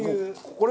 これ。